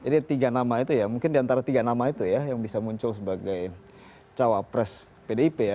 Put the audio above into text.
jadi tiga nama itu ya mungkin di antara tiga nama itu ya yang bisa muncul sebagai cewapres pdip ya